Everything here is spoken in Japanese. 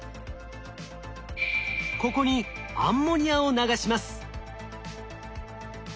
ここにアンモニアを流します。